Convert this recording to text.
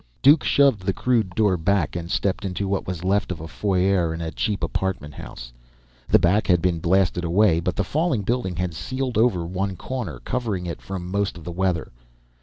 Duke shoved the crude door back and stepped into what was left of a foyer in a cheap apartment house. The back had been blasted away, but the falling building had sealed over one corner, covering it from most of the weather.